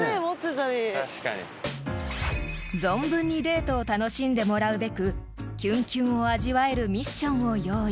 ［存分にデートを楽しんでもらうべくキュンキュンを味わえるミッションを用意］